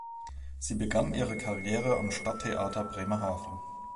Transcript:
Sie begann ihre Karriere am Stadttheater Bremerhaven.